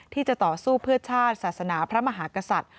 ที่จะต่อสู้เพื่อชาติศาสนาพระมหากษัตริย์